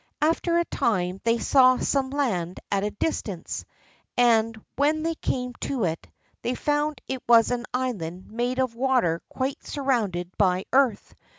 After a time they saw some land at a distance; and, when they came to it, they found it was an island made of water quite surrounded by earth.